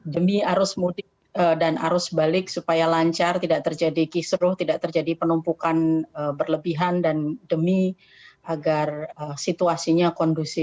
demi arus mudik dan arus balik supaya lancar tidak terjadi kisruh tidak terjadi penumpukan